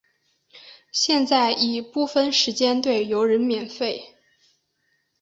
现在已部分时间对游人免费。